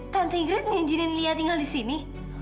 tante gret menginjinin lia tinggal disini